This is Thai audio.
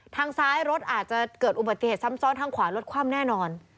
ทางซ้ายรถอาจจะเกิดอุบัติเหตุซ้ำซ้อนทางขวารถคว่ำแน่นอน